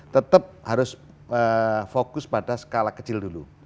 tetap harus fokus pada skala kecil dulu